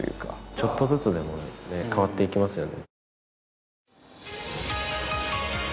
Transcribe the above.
ちょっとずつでもね変わっていきますよね。